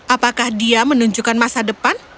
apakah dia menunjukkan masa depan